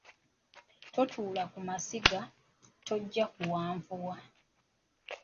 Totuula ku masiga, tojja kuwanvuwa